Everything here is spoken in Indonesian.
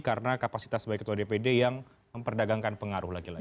karena kapasitas sebagai ketua dpd yang memperdagangkan pengaruh lagi lagi